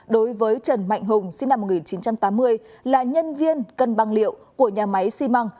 đối với trần mạnh hùng sinh năm một nghìn chín trăm tám mươi là nhân viên cân băng liệu của nhà máy xi măng